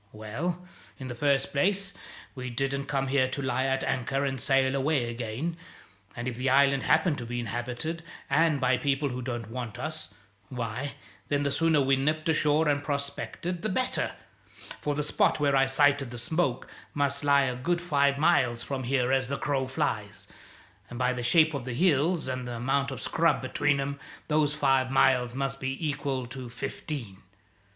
Well, in the first place, we didn't come here to lie at anchor and sail away again; and if the island happened to be inhabited, and by people who don't want us, why, then, the sooner we nipped ashore and prospected, the better, for the spot where I sighted the smoke must lie a good five miles from here as the crow flies, and by the shape of the hills and the amount of scrub between 'em, those five miles must be equal to fifteen.